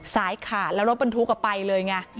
สายขาดแล้วรถบรรทุกไปเลยไง